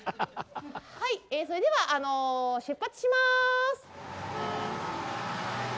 はいそれでは出発します。